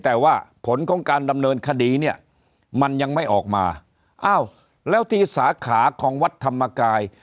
แต่ว่าผลของการดำเนินคดีเนี่ยมันยังไม่ออกมาอ้าวแล้วที่สาขาของวัดธรรมกาย